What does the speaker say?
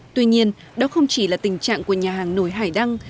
tuy nhiên đó không chỉ là tình trạng của nhà hàng nổi hải đăng